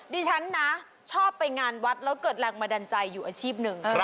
ดิฉันนะชอบไปงานวัดแล้วเกิดแรงบันดาลใจอยู่อาชีพหนึ่ง